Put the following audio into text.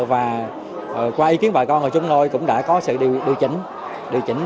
và qua ý kiến bà con ở chúng tôi cũng đã có sự điều chỉnh